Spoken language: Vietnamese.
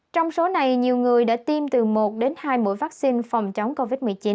trong số này nhiều người đã tiêm từ một đến hai mũi vaccine phòng chống covid một mươi chín